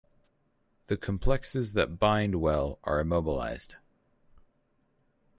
The complexes that bind well are immobilized.